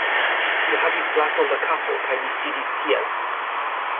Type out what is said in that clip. Li havis glason da kafo, kaj li sidis tiel: